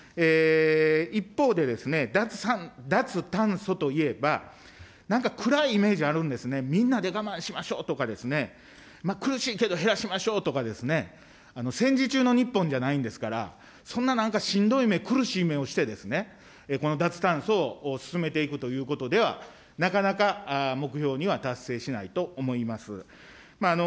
一方でですね、脱炭素といえば、なんか暗いイメージあるんですね、みんなで我慢しましょうとかですね、苦しいけど減らしましょうとかですね、戦時中の日本じゃないんですから、そんななんかしんどい目、苦しい目をしてですね、この脱炭素を進めていくということではなかなか目標とは達成しないと思います。